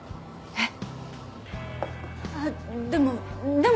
えっ？